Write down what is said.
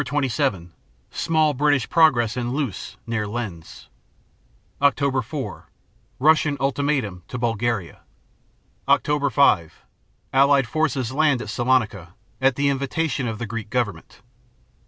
27 Small British progress at Loos, near Lens. Oct. 4 Russian ultimatum to Bulgaria. Oct. 5 Allied forces land at Salonica, at the invitation of the Greek government.